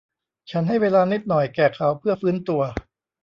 ฉันให้เวลานิดหน่อยแก่เขาเพื่อฟื้นตัว